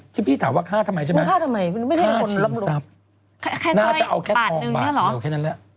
ที่พี่ถามว่าฆ่าทำไมใช่ไหมฆ่าฉีนทรัพย์น่าจะเอาแค่ทองบาทเหลือแค่นั้นแหละ